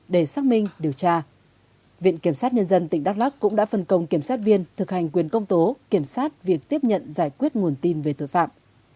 để xác minh điều tra viện kiểm sát nhân dân tỉnh đắk lắc cũng đã phân công kiểm sát viên thực hành quyền công tố kiểm soát việc tiếp nhận giải quyết nguồn tin về tội phạm